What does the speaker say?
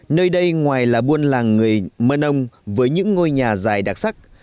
nơi đây ngoài là buôn làng người mân âu với những ngôi nhà dài đặc sắc